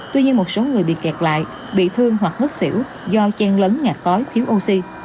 tuy nhiên một số người bị kẹt lại bị thương hoặc ngất xỉu do chen lấn ngạt khói thiếu oxy